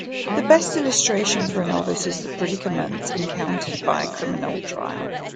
The best illustration for a novice is the predicament encountered by a criminal trial.